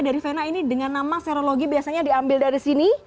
dari vena ini dengan nama serologi biasanya diambil dari sini